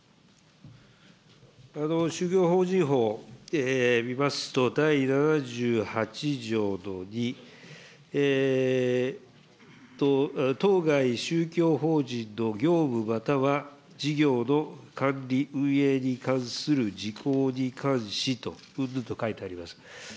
宗教法人法を見ますと、第７８条の２、当該宗教法人の業務または事業の管理運営に関する事項に関し、うんぬんと書いてあります。